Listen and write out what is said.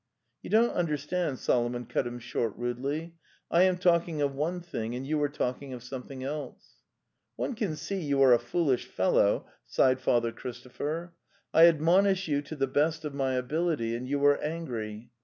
"You don't understand,' Solomon cut him short rudely. "I am talking of one thing and you are talking of something else. ..." '"One can see you are a foolish fellow," sighed Father Christopher. '' I admonish you to the best of my ability, and you are angry.